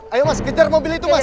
ayo mas kejar mobil itu mas